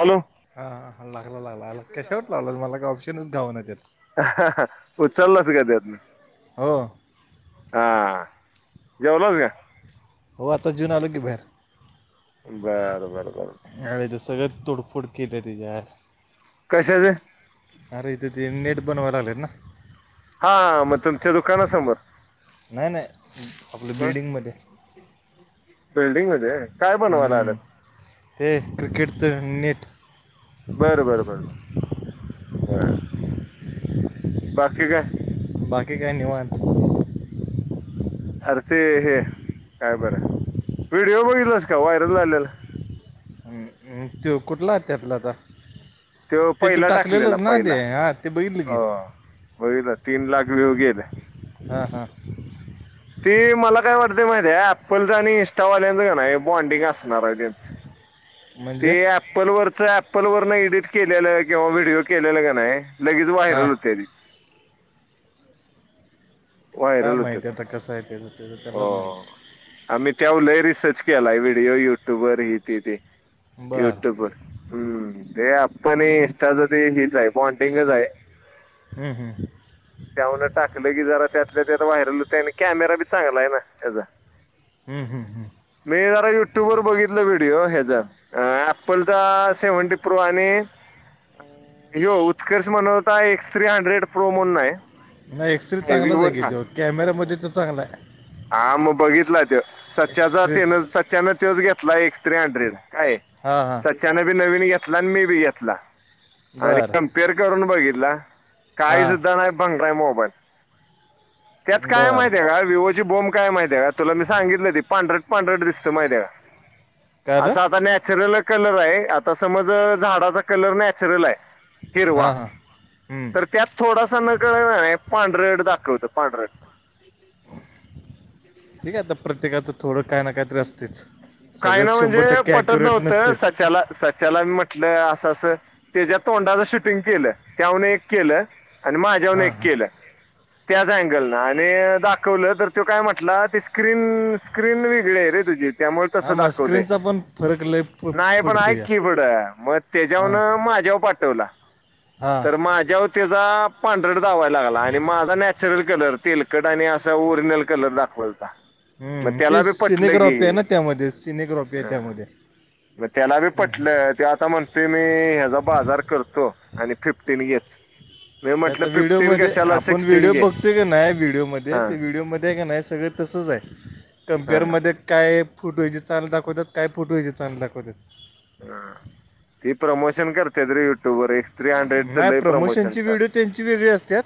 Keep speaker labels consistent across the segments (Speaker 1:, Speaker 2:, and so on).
Speaker 1: Hello
Speaker 2: हा ह लागला लागला
Speaker 1: येतोय का
Speaker 2: कशावर लागला मला काही ऑप्शनच घावना
Speaker 1: हा हा उचललास का त्यातन
Speaker 2: हो
Speaker 1: हा जेवलस ग?
Speaker 2: हो आता जूऊन आलो की बाहेर.
Speaker 1: बरं-बर-बर
Speaker 2: यावेळेला ते सगळं तोडफोड केलं त्याच्याला
Speaker 1: कशाचं?
Speaker 2: अरे इथ ते नेट बनवायला लागलेल ना.
Speaker 1: हा मग तुमच्या दुकानासमोर.
Speaker 2: नाही-नाही आपलं
Speaker 1: मग
Speaker 2: बिल्डिंगमध्ये.
Speaker 1: बिल्डिंग मध्ये काय बनवायला
Speaker 2: हम्म.
Speaker 1: आलंत?
Speaker 2: ते क्रिकेटच नेट.
Speaker 1: बरं-बरं-बर ब बर बाकी काय?
Speaker 2: बाकी काय निवांत.
Speaker 1: अर ते हे काय बरं व्हिडिओ बघितलंस का व्हायरल झालेला?
Speaker 2: तो कुठला त्यातला आता?
Speaker 1: तो
Speaker 2: ते तू
Speaker 1: पहिला टाकलेला
Speaker 2: टाकलेलंच ना
Speaker 1: पहिला
Speaker 2: ते हां ते बघितलं की
Speaker 1: हो बघितला तीन लाख व्ह्यू गेले.
Speaker 2: हां-हां
Speaker 1: ते मला काय वाटते माहिती आहे एप्पलच आणि इंस्टावाल्यांचं का बॉन्डिंग असणार आहे त्यांच [unintelligible] ते
Speaker 2: म्हणजे
Speaker 1: एप्पल वरचं एप्पल वरन एडिट केलेलं किंवा व्हिडिओ केलेलं का नाही. लगेच
Speaker 2: हां
Speaker 1: वायरल होतेरी.
Speaker 2: काय
Speaker 1: व्हायरल होते
Speaker 2: माहिती आहे आता कसं आहे त्याचं तेच
Speaker 1: हो
Speaker 2: त्यालाच माहिती आहे.
Speaker 1: आम्ही त्यावल रिसर्च केला व्हिडिओ युट्यूबवर हे ते तेे
Speaker 2: बरं
Speaker 1: युट्यूब वर. हम्म ते एप्पल इन्स्टाचं ते हेच आहे बॉनडिंगच आहे.
Speaker 2: हम्म-हम्म
Speaker 1: त्याऊन टाकलं की जरा त्यातल्या त्यात व्हायरल होत आणि कॅमेरा बी चांगला आहे ना त्याचा.
Speaker 2: हम्मं-हम्म-हम्म
Speaker 1: मी जरा युट्युब वर बघितलं व्हिडिओ ह्याचज अ एप्पल चा सेवंटी प्रो आणि हो उत्कर्ष म्हनवता एक्स थ्री हंड्रेड प्रोमोन नाय.
Speaker 2: नाही एक्स रे चांगलाच आहे की तो कॅमेऱ्यामध्ये तर चांगला आहे.
Speaker 1: हा मग बघितला तो सचाचा ते
Speaker 2: एक्सरेच
Speaker 1: साच्यान तोच घेतला एस थ्री हंड्रेड काय?
Speaker 2: हा-हां
Speaker 1: त्यानं बी नवीन घेतला आणि मी बी घेतला आणि
Speaker 2: बरं
Speaker 1: कम्पेअर करून बघितला. काही सुद्धा
Speaker 2: हां
Speaker 1: नाही भंगयरा मोबाईल त्यात काय
Speaker 2: बरं
Speaker 1: माहीती आहे का वि त्याची बोम काय माहितीे का तुला मी सांगितलं ती पांढरट पांढरट दिसं माहीते का?
Speaker 2: काय आलं
Speaker 1: असा आता नॅचरल कलर आहे आता समज झाडाचा कलर नॅचरल आहे. हिरवा
Speaker 2: हां हां हम्म.
Speaker 1: तर त्यात थोडासा नकळत पांढरट दाखवत पांढरट.
Speaker 2: ठीक आहे आता प्रत्येकाचं थोडं काय ना काय तरी असतेच.
Speaker 1: काय ना
Speaker 2: सगळंच शंभर
Speaker 1: म्हणजे
Speaker 2: टक्के
Speaker 1: पटत
Speaker 2: ॲक्युरेट
Speaker 1: नव्हतं
Speaker 2: नसतेच
Speaker 1: सचाला सच त्याला मी म्हटलं असं असं तेच्या तोंडाचं शूटिंग केलं त्याहून एक केलं. आणि माझ्यावरन
Speaker 2: हां
Speaker 1: एक
Speaker 2: हां
Speaker 1: केलं त्याच अँगल ना आणि दाखवलं. तर तो काय म्हटला ती स्क्रीन स्क्रीन वेगळी आहे रे तुझी त्यामुळे तस
Speaker 2: हां मग
Speaker 1: दाखवते
Speaker 2: स्क्रीनचा पण फरक लय प
Speaker 1: नाही पण
Speaker 2: पडतो
Speaker 1: ऐक
Speaker 2: या
Speaker 1: की पुड मग
Speaker 2: हां
Speaker 1: त्याच्यावरन माझ्यावर पाठवला
Speaker 2: हां
Speaker 1: तर माझ्यावर त्याचा पांढरट दावाला लागला आणि माझा नॅचरल कलर तेलकट आणि अस ल कलर दाखवलता. मग
Speaker 2: हम्म
Speaker 1: त्याला
Speaker 2: ते
Speaker 1: बी पटलं
Speaker 2: सिनेग्रॉपी आहे
Speaker 1: की
Speaker 2: ना त्यामध्ये सिनेग्रॉपी आहे त्यामध्ये.
Speaker 1: मग त्याला बी पटलं ते आता म्हण ते मी ह्याचा बाजार करतो आणि फिफ्टीन घेत मी
Speaker 2: त्या
Speaker 1: म्हटलं
Speaker 2: आता
Speaker 1: फिफ्टीन
Speaker 2: व्हिडिओमध्ये
Speaker 1: कशाला
Speaker 2: आपण
Speaker 1: सिक्स्टीन
Speaker 2: व्हिडिओ
Speaker 1: घे
Speaker 2: बघतोय काी नाही व्हिडिओमध्ये
Speaker 1: हां
Speaker 2: ते व्हिडिओमध्ये का नाय सगळं तसंच आहे
Speaker 1: हां
Speaker 2: कम्पेअरमध्ये काय फुटहेज चे चाल दाखवतात. काय फुट हेजे चाल दाखवतात.
Speaker 1: ह ती प्रमोशन करते त युट्युबर एक.
Speaker 2: नाही प्रमोशनची व्हिडिओ त्यांची वेगळी असतात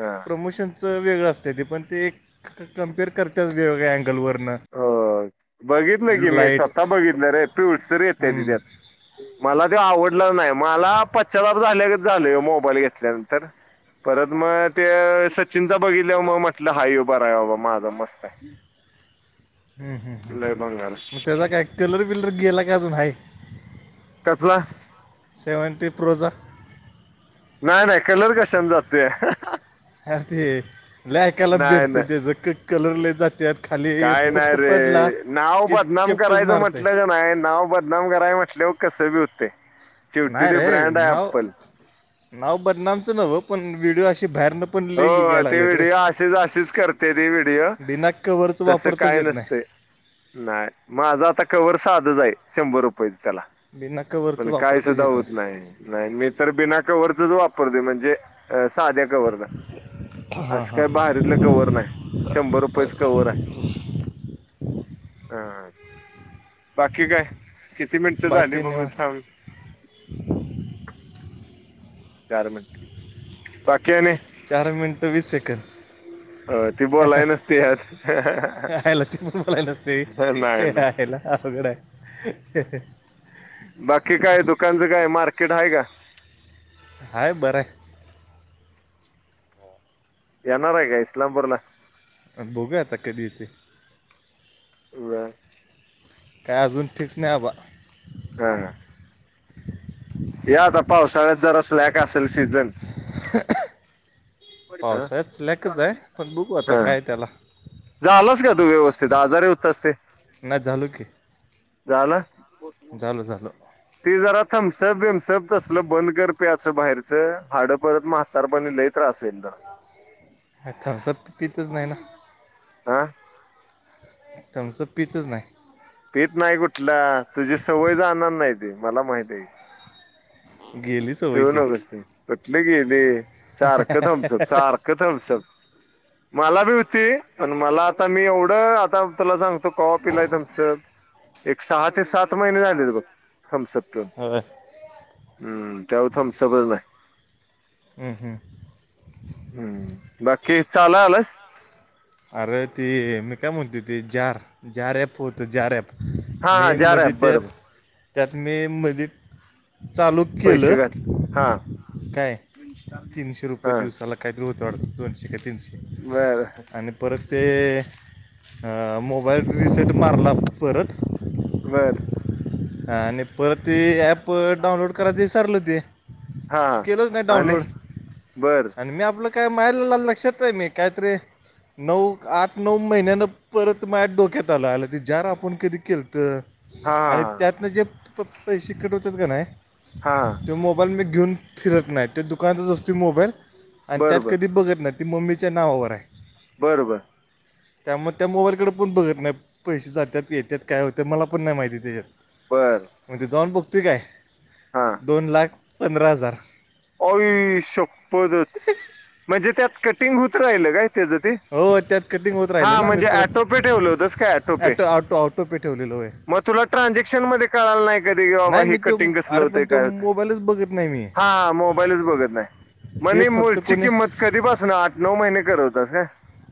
Speaker 1: हां
Speaker 2: प्रमोशन च वेगळं असतं ते पण ते क कं्पेअर करतच वेगवेगळ्या अँगलवरनं.
Speaker 1: हो बघितलं की मी
Speaker 2: लाईट
Speaker 1: स्वतः बघितलं रे पिळसर येते ति
Speaker 2: मग
Speaker 1: त्यात मला ते आवडलाच नाय मला पश्चाताप झाल्यागत झालं मोबाईल घेतल्यानंतर परत मग त्या सचिनचा बघितल्या मग म्हटलं हा यो बराय बाबा माझ मस्तय
Speaker 2: हं हं
Speaker 1: भंगार
Speaker 2: मग त्याचा काय कलर बिलर गेलाय का अजून हाय?
Speaker 1: कसला?
Speaker 2: सेव्हणटी प्रोचा
Speaker 1: नाय नाय कलर कशान जातोया.
Speaker 2: अ ते लय ऐकाला
Speaker 1: नाही
Speaker 2: भेटतं
Speaker 1: नाही
Speaker 2: त्याज क कलर लय जातात.
Speaker 1: काय नाय रे नाव
Speaker 2: की
Speaker 1: बदनाम
Speaker 2: चेपटच
Speaker 1: करायचं
Speaker 2: मारतंय
Speaker 1: म्हटलं का नाय नाव बदनाम मगय [unintelligible] म्हटले कस बी होते शेवटी
Speaker 2: नाही
Speaker 1: ते
Speaker 2: रे
Speaker 1: ब्रँड आहे
Speaker 2: नाव
Speaker 1: अप्पल
Speaker 2: नाव बदनामचं नव्हं पण व्हिडिओ अशी बाहेरनं पण लई
Speaker 1: हो
Speaker 2: यायला
Speaker 1: ते
Speaker 2: लागलेत रे
Speaker 1: व्हिडिओ अशीच अशीच करते ते व्हिडिओ
Speaker 2: बिना कवरचं
Speaker 1: तसं
Speaker 2: वापरताच
Speaker 1: काय
Speaker 2: येत
Speaker 1: नसतय.
Speaker 2: नाही
Speaker 1: नाय माझा आता कव्हर साधचं हाय शंभर रुपयचं त्याला
Speaker 2: बिना कवरचं
Speaker 1: पण काय
Speaker 2: वापरताच
Speaker 1: सुद्धा
Speaker 2: येत
Speaker 1: होत
Speaker 2: नाही
Speaker 1: नाहय. नाही मी तर बिना कव्हरच वापरते म्हणजे साध्या कव्हरला असं काय बाहेारीतलं कव्हर नाय शंभर रुपयचं कव्हर हाय. हा बाकी काय किती मिनिटचं झाली
Speaker 2: बाकी
Speaker 1: बघून
Speaker 2: निवांत
Speaker 1: सांग. चार मिनट बाकी आणि?
Speaker 2: चार मिनटं वीस सेकंड
Speaker 1: [inaudible] अ ती बोलाय नसती यार, हं हं
Speaker 2: यायला ते
Speaker 1: हं नाही ना
Speaker 2: आवघडय
Speaker 1: बाकी काय दुकानचं काय मार्केट आहे का?
Speaker 2: हाय बरंय
Speaker 1: येणाराय काय इस्लामपूरला?
Speaker 2: अण बघूया आता कधी येती
Speaker 1: बरं [unintelligible]
Speaker 2: काय अजून फिक्स नाही बाबा
Speaker 1: हा हा या आता पावसाळ्यात जर स्लॅम असंल सीझन?
Speaker 2: [inaudible] पावसाळ्यात स्लॅकचाय पण बघू आता
Speaker 1: हा
Speaker 2: काय त्याला
Speaker 1: झालास का तू व्यवस्थित आजार होतास ते
Speaker 2: नाय झालू की
Speaker 1: झाला
Speaker 2: झाल झाल.
Speaker 1: ते जरा थम्सप बेमसप तसल बंद कर ते पायच बाहेरच हाडं परत म तर पण लय त्रास आहे ना.
Speaker 2: नाय थंमस्पंप पितच नाही ना
Speaker 1: आं
Speaker 2: थंम्पसप पीतच नाही.
Speaker 1: पीत नाही कुठला तुझी सवय जाणार नाही ते मला माहतीय
Speaker 2: गेलीच
Speaker 1: पीऊन आल की कसले गेले सारख थम्सप थम्सप सारख थस्मप. मला भी होती पण मला आता मी एवढं आता तुला सांगतो कव्हा पिलाय तमच. एक सहा ते सात महिने झाले बघ. थम्सप पीऊन
Speaker 2: होय
Speaker 1: हम्म त्यावा थम्सप नाही.
Speaker 2: हम हम.
Speaker 1: हम्म बाकी चालत आलास.
Speaker 2: अरे ती मी काय म्हणते ती जार जार ॲप होत जार ऑप
Speaker 1: हा हा
Speaker 2: मी
Speaker 1: जार आहे
Speaker 2: मध्ये त्या
Speaker 1: बरं बर
Speaker 2: त्यात मे मध्ये चालू केलं
Speaker 1: पैसे घातले हा
Speaker 2: काय तीनशे रुपये
Speaker 1: हा
Speaker 2: दिवसाला कधी होत दोनशे की तीनशे.
Speaker 1: बर.
Speaker 2: आणि परत ते मोबाईल रिसेट मारला परत
Speaker 1: बर.
Speaker 2: हा नि परत ते ॲप डाउनलोड करायचं विसारला ते
Speaker 1: हा
Speaker 2: ते
Speaker 1: हा
Speaker 2: केलच नाही
Speaker 1: आणि
Speaker 2: डाउनलोड.
Speaker 1: बर
Speaker 2: आणि मी आपलं काय माझ नाही लक्षात आहे मी काहीतरी नऊ आठ नऊ महिन्यानं. परत माझात डोक्यात आला आलं त जार आपण कधी केल तर
Speaker 1: हा
Speaker 2: आणि
Speaker 1: हा
Speaker 2: त्यातले जे पैसे कट होतात का
Speaker 1: हा हा
Speaker 2: नाही तो मोबाईल मी घेऊन फिरत नाही तो दुकानातच असतो मोबाईल आणि
Speaker 1: बर
Speaker 2: त्यात
Speaker 1: बर
Speaker 2: कधी बघत नाही ती मम्मीच्या नावावर आहे.
Speaker 1: बरोबर.
Speaker 2: त्यामुळे त्या मोबाईलकडे पण बघत नाही. पैसे जातात येतात काय होते मला पण नाही माहिती त्याच्यात
Speaker 1: बर.
Speaker 2: म्हणजे जाऊन बघतो काय
Speaker 1: हा
Speaker 2: दोन लाख पंधरा हजार.
Speaker 1: आईशपदच म्हणजे त्यात कटिंग होत राहिल काय त्याचं ते
Speaker 2: हो त्यात कटिंग होत राहिलं
Speaker 1: हा
Speaker 2: ना मी
Speaker 1: म्हणजे
Speaker 2: परत
Speaker 1: ॲटोपे ठेवलं होतंस काय ॲटोपे
Speaker 2: टो ऑटो ऑटो पे ठेवलेलो आहे.
Speaker 1: मग तुला ट्रान्झॅक्शन मध्ये कळाला नाही काय कधी बाबा
Speaker 2: नाही
Speaker 1: हे
Speaker 2: मी तो
Speaker 1: कटिंग कसल
Speaker 2: अरे
Speaker 1: होतं
Speaker 2: पण तो
Speaker 1: काय होत
Speaker 2: मोबाईलच बघत नाही मी
Speaker 1: हा. मोबाईलच बघत नाही
Speaker 2: ते
Speaker 1: मण
Speaker 2: फक्त
Speaker 1: मुची
Speaker 2: कोणी
Speaker 1: किंमत कधीपासना आठ नऊ महिने करत होतास का?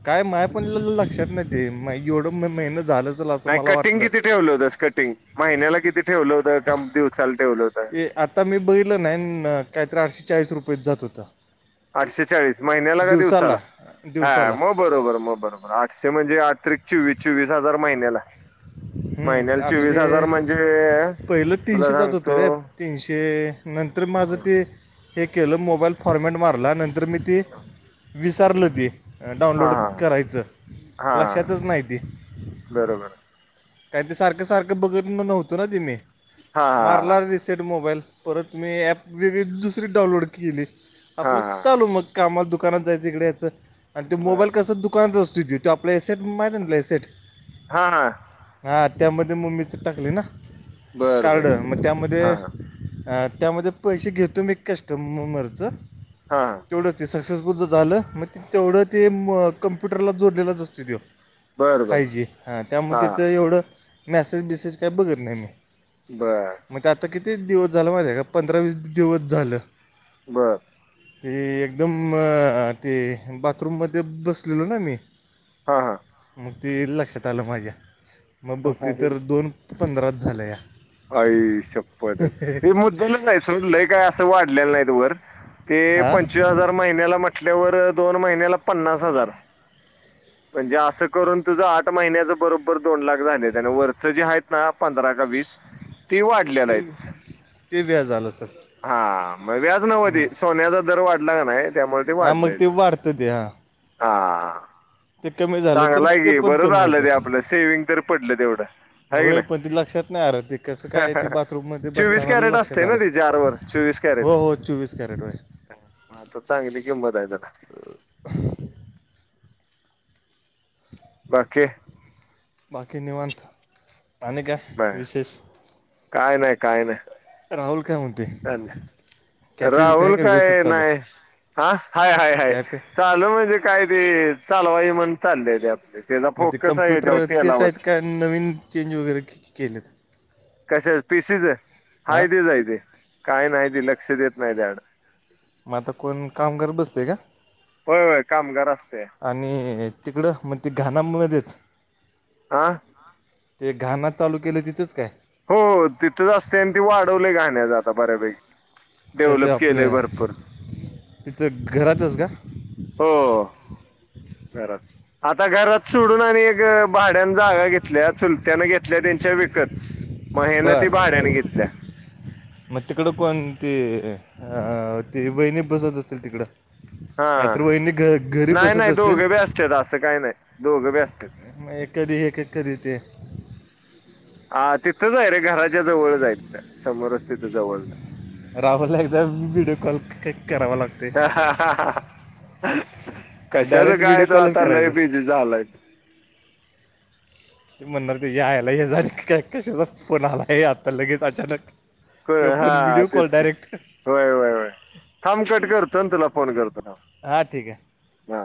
Speaker 2: काय मला पण लक्षात नाही ते एवढं महीने झालंच.
Speaker 1: नाही कटिंग किती ठेवल होतस कटिंग महिन्याला किती ठेवल होत का दिवसाला ठेवलं होत.
Speaker 2: आता मी बघलं ना काहीतरी आठशे चाळीस रुपय जात होत.
Speaker 1: आठशे चाळीस महिन्याला का दिवसाला हा
Speaker 2: दिवसाला
Speaker 1: मग बरोबर मग बरोबर आठशे म्हणजे आठ चोवीस चोवीस हजार महिन्याला
Speaker 2: हम्म,
Speaker 1: महिन्याला चोवीस हजार
Speaker 2: आठशे
Speaker 1: म्हणजे
Speaker 2: पहिलं
Speaker 1: तुला
Speaker 2: तीनशे जात होतं रे
Speaker 1: सांगतो.
Speaker 2: तीनशे नंतर माझं
Speaker 1: होय.
Speaker 2: ते हे केलं मोबाईल फॉर्मॅट मारल्यानंतर मी ती विसारलं ती
Speaker 1: हा
Speaker 2: डाउनलोड
Speaker 1: हा
Speaker 2: करायचं
Speaker 1: हा
Speaker 2: लक्षातच नाही ते
Speaker 1: बरोबर आहे.
Speaker 2: काही ते सारखं सारखं बघत नव्हतं ना ते मी
Speaker 1: हा हा
Speaker 2: मारला दिस. सेट मोबाईल परत मी ॲप वेगळी दुसरी डाउनलोड केली
Speaker 1: हा
Speaker 2: आपलं
Speaker 1: हा
Speaker 2: चालू मग कामला दुकानात जायचं इकडे याच आणि
Speaker 1: बर
Speaker 2: मोबाईल कसं. दुकान असत तो आपल्यासेट मारुन घ्या सेट.
Speaker 1: हा हा.
Speaker 2: हा त्यामध्ये मग मम्मीच टाकले ना
Speaker 1: बर बर
Speaker 2: कार्ड मग त्यामध्ये
Speaker 1: हा हा
Speaker 2: त्यामध्ये पैसे घेतो मी कस्टमरच
Speaker 1: हा हा
Speaker 2: तेवढ ते सक्सेस. तुझ झाल मग तेवढ ते म कम्प्युटरला जोडलेलाच असतो त्यो.
Speaker 1: बर बर
Speaker 2: फाय जी हा त्यामुळे तिथ एवढ मॅसेज बिसेज काही बघत नाही मी.
Speaker 1: बर.
Speaker 2: मग ते आता किती दिवस झाला माझा का पंधरा वीस दिवस झाल.
Speaker 1: बर.
Speaker 2: ते एकदम अ ते बाथरूममध्ये बसलेलो ना मी.
Speaker 1: हा हा.
Speaker 2: मग ते लक्षात आल माझ्या मग बघतेय तर दोन पंधराच झाल्या या.
Speaker 1: आई शप्पदच ते मुद्दलच आहे सोडलंय काय अस वाढलेल नाही त वर. ते
Speaker 2: हां
Speaker 1: पंचवीस हजार महिन्याला म्हटल्यावर दोन महिन्याला पन्नास हजार. म्हणजे अस करून तुझ आठ महिन्याच बरोबर दोन लाख झाले आन वरच जे आहेत ना पंधरा का वीस.. तीवाट..
Speaker 2: हम, ते व्याज झाल सर.
Speaker 1: हा म व्याज नव्हती सोन्याचा दर वाढला का नाही त्यामुळे ते वाढलय.
Speaker 2: वढत ते हा.
Speaker 1: हाहा
Speaker 2: ते कमी झाल तर ते पण कमी होत.
Speaker 1: झालं ते आपलं सेविंग तर पडलं तेवढं. हाय की
Speaker 2: होय
Speaker 1: नाही
Speaker 2: पण त लक्षात नाही आर ते कस काय ते बाथरूम मध्ये
Speaker 1: चोवीस
Speaker 2: बसताना
Speaker 1: कॅरेट
Speaker 2: लक्षात
Speaker 1: असते
Speaker 2: आल.
Speaker 1: ना ते चारवर चोवीस
Speaker 2: हो हो चोवीस कॅरेट वय.
Speaker 1: हा त चांगली किंमत आहे त्याला.
Speaker 2: [inaudible]
Speaker 1: बाकी.
Speaker 2: बाकी निवांत आणि काय.
Speaker 1: बर
Speaker 2: विशेष
Speaker 1: काय नाय काय नाय.
Speaker 2: राहुल काय म्हणतोय.
Speaker 1: राहुल काय नाही हा हाय हाय हाय
Speaker 2: कॅपे
Speaker 1: चा... म्हणजे काय ते चालवाई म्हण चालले ते आप त्याचा
Speaker 2: मग ते
Speaker 1: फोकस आहे त्या
Speaker 2: कम्प्युटर तेच
Speaker 1: तेलावर.
Speaker 2: आहेत का नवीन चेंज वगैरे केके केलेत.
Speaker 1: कशा पीसीच
Speaker 2: हां
Speaker 1: हाय तेच आहे ते काय नाही ते लक्ष देत नाही त्याड.
Speaker 2: मग आता कोण काम करत बसतय का.
Speaker 1: होय होय कामगार असतया.
Speaker 2: आणि तिकडं म्हग ते घाणामध्येच.
Speaker 1: आं.
Speaker 2: ते घाणा चालू केल तिथच काय?
Speaker 1: हो तिथच असते आणि ते वाढवले गाण्याच आता बर्या पैकी.
Speaker 2: का ते
Speaker 1: डेव्हलप
Speaker 2: आपले
Speaker 1: केलय भरपूर.
Speaker 2: तिथं घरातच का.
Speaker 1: हो, घरात. आता घरात सोडून आणि एक भाड्यान जागा घेतल्या चुलत्यान घेतल्या त्यांच्या विकत. मग हे ना ते
Speaker 2: बरं
Speaker 1: भाड्याने घेतल्या.
Speaker 2: मग तिकड कोण ती अ ती वहिणी बसत असतील तिकड.
Speaker 1: हा
Speaker 2: नाहीतर वहिणी घ घरी बसत असेल.
Speaker 1: छ अस काही नाही दोघ बी अत्यात.
Speaker 2: मग एक कधी हे एक कधी ते
Speaker 1: हा तिथंच आहे रे, घराच्या जवळचं हाय तिथं समोरच तिथं जवळ
Speaker 2: राहाव लागतं व्हिडिओ कॉल क का करावा लागतंय.
Speaker 1: कशाच कायं आता तो लय बीजी झालायं
Speaker 2: ते म्हणणार त्याच्या आयला हेजा आणि क कशाला फोन आलंय आता लगेच अचानक
Speaker 1: होय
Speaker 2: तो
Speaker 1: हा
Speaker 2: पण व्हिडिओ कॉल
Speaker 1: तेच ते
Speaker 2: डायरेक्ट
Speaker 1: होय होय होय थांमकट करतो ना तुला फोन करतो थांब.
Speaker 2: हा ठीक हे.
Speaker 1: हा.